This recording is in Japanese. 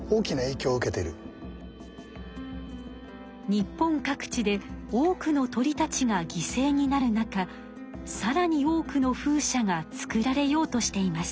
日本各地で多くの鳥たちがぎせいになる中さらに多くの風車が作られようとしています。